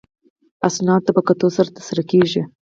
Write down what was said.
اسنادو ته په کتو سره ترسره کیږي.